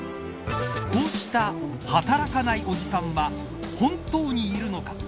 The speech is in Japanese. こうした働かないおじさんは本当にいるのか。